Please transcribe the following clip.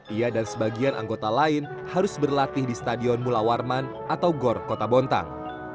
ia dan sebagian anggota lain harus berlatih di stadion mula warman atau gor kota bontang